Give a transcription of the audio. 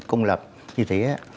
công lập như thế